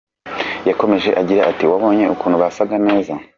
Yakomeje agira ati “Wabonye ukuntu basaga neza.